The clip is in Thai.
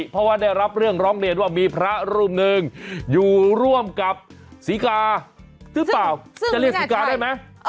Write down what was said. เพราะว่าได้รับเรื่องร้องเรียนว่ามีพระรูปหนึ่งอยู่ร่วมกับศรีกาหรือเปล่าจะเรียกศรีกาได้ไหม